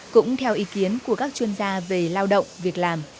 cũng theo ý kiến của các chuyên gia về lao động việc làm